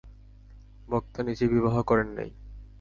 বক্তা নিজে বিবাহ করেন নাই।